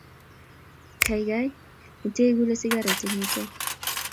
Kaikai metee igule sigaret eng yutok